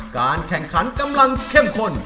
การแข่งขันกำลังเข้มข้น